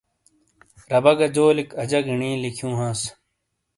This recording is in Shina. ربہ گہ جولیک اجہ گنی لکھیوں ہانس۔